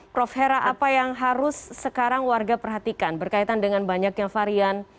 prof hera apa yang harus sekarang warga perhatikan berkaitan dengan banyaknya varian